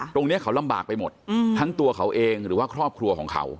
ตรงนี้เขาลำบากไปหมดทั้งตัวเขาเองหรือว่าครอบครัวของเขา